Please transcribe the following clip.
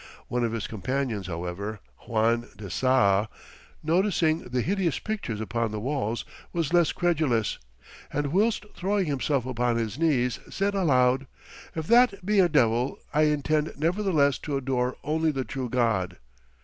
One of his companions, however, Juan de Saa, noticing the hideous pictures upon the walls, was less credulous, and whilst throwing himself upon his knees, said aloud, "If that be a devil, I intend nevertheless to adore only the true God!"